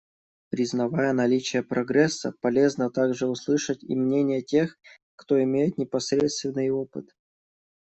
Признавая наличие прогресса, полезно также услышать и мнение тех, кто имеет непосредственный опыт.